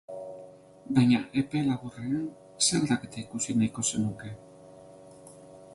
Baina, epe laburrean, ze aldaketa ikusi nahiko zenuke?